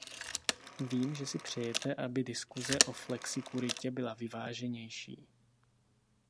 Vím, že si přejete, aby diskuse o flexikuritě byla vyváženější.